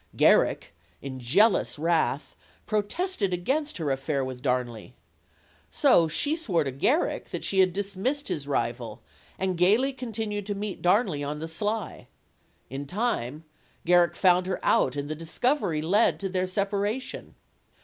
Garrick, in jealous wrath, protested against her affair with Darnley. So she swore to Garrick that she had dismissed his rival and gayly continued to meet Darnley on the sly. In time, Garrick found her out and the discovery led to their separation.